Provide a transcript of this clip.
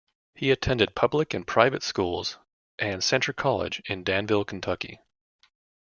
He attended public and private schools and Centre College in Danville, Kentucky.